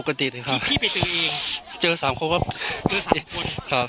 น้องเล่นอย่างเดียวไม่พูดอะไรเลย